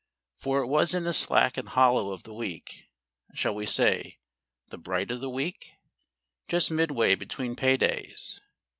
For it was in the slack and hollow of the week shall we say, the bight of the week? just midway between pay days.